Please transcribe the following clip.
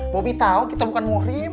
bobby tau kita bukan muhrim